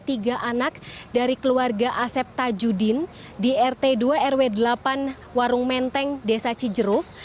tiga anak dari keluarga asep tajudin di rt dua rw delapan warung menteng desa cijeruk